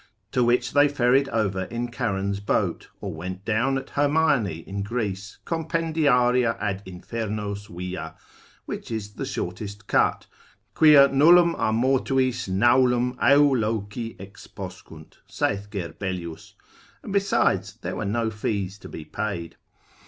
to which they ferried over in Charon's boat, or went down at Hermione in Greece, compendiaria ad Infernos via, which is the shortest cut, quia nullum a mortuis naulum eo loci exposcunt, (saith Gerbelius) and besides there were no fees to be paid.